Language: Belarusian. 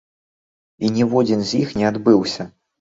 І ніводзін з іх не адбыўся!